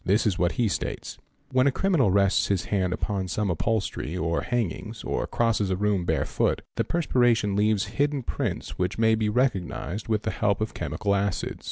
This is what he states: When a criminal rests his hand upon some upholstery or hangings or crosses a room barefoot, — the perspiration leaves hidden prints which may be recognised with the ~ help of chemical acids.